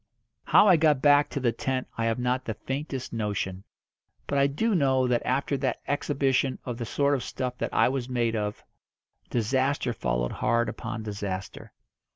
How I got back to the tent I have not the faintest notion. But I do know that after that exhibition of the sort of stuff that I was made of, disaster followed hard upon disaster.